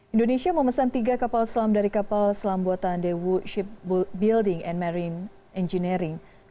indonesia memesan tiga kapal selam dari kapal selam buatan dewu ship building and marine engineering